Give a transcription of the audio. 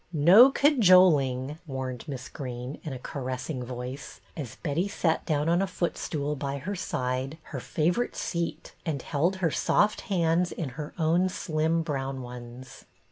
" No cajoling," warned Miss Greene, in a caressing voice, as Betty sat down on a foot stool by her side, her favorite seat, and held her soft hands in her own slim brown ones.